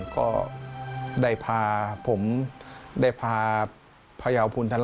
ก็ได้พาผมได้พาพระยาวภูมิธรรมรัฐ